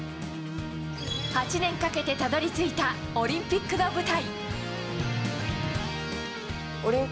８年かけてたどり着いたオリンピックの舞台。